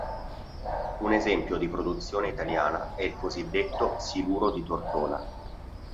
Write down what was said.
Un esempio di produzione italiana è il cosiddetto: Siluro di Tortona.